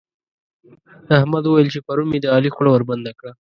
احمد ويل چې پرون مې د علي خوله وربنده کړه.